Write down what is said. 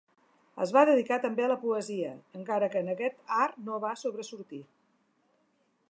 Es va dedicar també a la poesia, encara que en aquest art no va sobresortir.